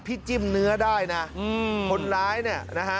จิ้มเนื้อได้นะคนร้ายเนี่ยนะฮะ